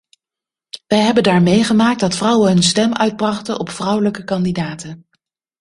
Wij hebben daar meegemaakt dat vrouwen hun stem uitbrachten op vrouwelijke kandidaten.